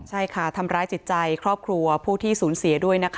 ใช่ค่ะทำร้ายจิตใจครอบครัวผู้ที่สูญเสียด้วยนะคะ